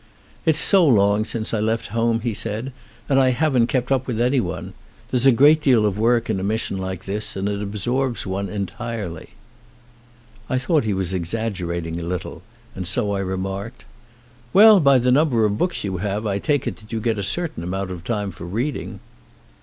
"It's so long since I left home," he said, "and I haven't kept up with anyone. There's a great deal of work in a mission like this and it absorbs one entirely." I thought he was exaggerating a little, so I remarked : "Well, by the number of books you have I take it that you get a certain amount of time for reading."